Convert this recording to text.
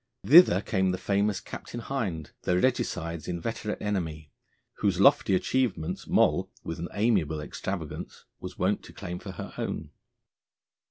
Thither came the famous Captain Hind, the Regicides' inveterate enemy, whose lofty achievements Moll, with an amiable extravagance, was wont to claim for her own.